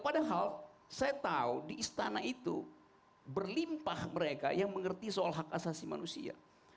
padahal saya tahu di istana itu berlimpah mereka yang mengerti soal hak asasi manusia